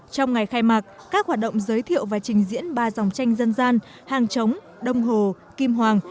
trong ngày khai mạc các hoạt động giới thiệu và trình diễn ba dòng tranh dân gian hàng trống đông hồ kim hoàng